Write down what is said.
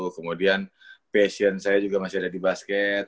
kemudian passion saya juga masih ada di basket